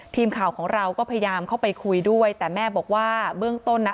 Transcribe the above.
ทีมข่าวของเราก็พยายามเข้าไปคุยด้วยแต่แม่บอกว่าเบื้องต้นนะ